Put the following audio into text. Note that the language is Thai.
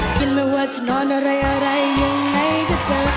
กินแล้วว่าจะนอนอะไรยังไงก็เจอ